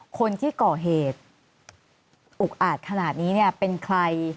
คนที่เกาะเหตุอุกอาจขนาดนี้เป็นใคร